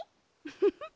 フフフ。